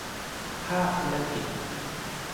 ภาคธุรกิจ